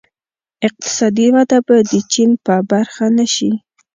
اقتصادي وده به د چین په برخه نه شي.